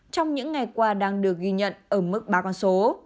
trong những ngày qua đang được ghi nhận ở mức ba con số